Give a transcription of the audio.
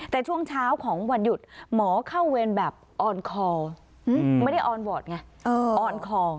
แต่ช่วงเช้าของวันหยุดหมอเข้าเวรแบบออนคอไม่ได้ออนวอร์ดไงออนคอ